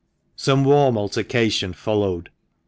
Some warm altercation followed.